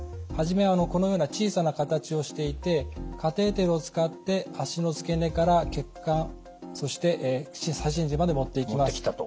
初めはこのような小さな形をしていてカテーテルを使って脚の付け根から血管そして左心耳まで持っていきます。